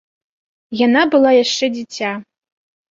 Яна была яшчэ дзіця.